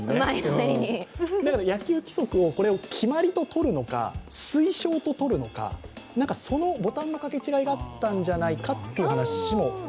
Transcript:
だけど野球規則を決まるととるのか、推奨ととるのかそのボタンの掛け違いがあったんじゃないかという話も。